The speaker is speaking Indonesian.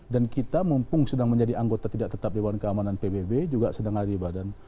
dan kita mumpung sedang menjadi anggota tidak tetap dewan keamanan pbb juga sedang ada di badan